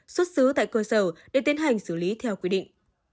xuất xứ tại cơ sở để tiến hành xử lý theo quy định